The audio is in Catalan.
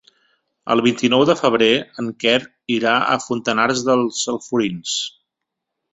El vint-i-nou de febrer en Quer irà a Fontanars dels Alforins.